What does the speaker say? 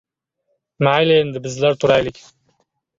— Mayli, endi bizlar turaylik.